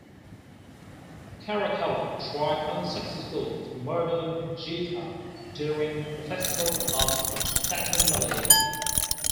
Caracalla tried unsuccessfully to murder Geta during the festival of Saturnalia.